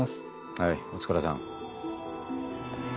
はいお疲れさん。